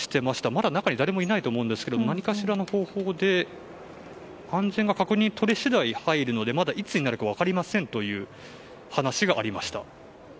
まだ中に誰もいないと思うんですけれども何かしらの方法で安全の確認がとれ次第入るので、まだいつになるか分かりませんという話がありました。